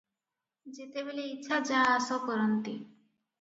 ଯେତେବେଳେ ଇଚ୍ଛା ଯା ଆସ କରନ୍ତି ।